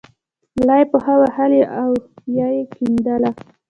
لا یې پښه وهله او یې کیندله.